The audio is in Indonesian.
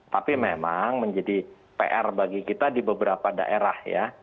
tapi memang menjadi pr bagi kita di beberapa daerah ya